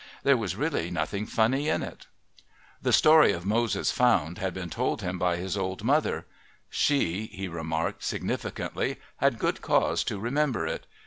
There was really nothing funny in it. The story of Moses Found had been told him by his old mother; she, he remarked significantly, had good cause to remember it.